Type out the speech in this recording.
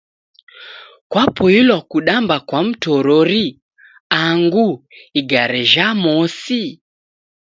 Kwapoilwa kudamba kwa mtorori andu igare jha mosi?